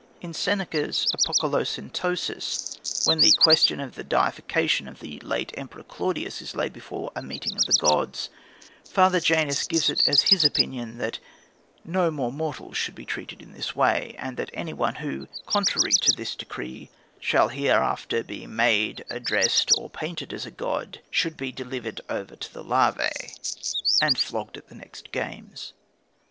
" In Seneca's Apocolocyntosis, when the question of the deification of the late Emperor Claudius is laid before a meeting of the gods, Father Janus gives it as his opinion that no more mortals should be treated in this way, and that "anyone who, contrary to this decree, shall hereafter be made, addressed, or painted as a god, should be delivered over to the Larvæ" and flogged at the next games.